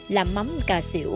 làm mắm cà xỉu